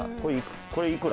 これいくら？